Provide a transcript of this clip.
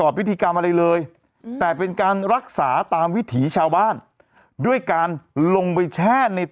โอ้ตั้งแต่๑๐ปีที่แล้ว